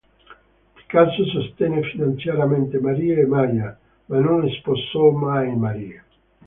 Picasso sostenne finanziariamente Marie e Maya, ma non sposò mai Marie.